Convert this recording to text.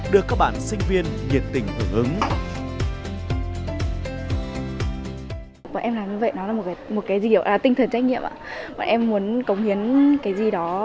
được các bạn sinh viên nhiệt tình hưởng ứng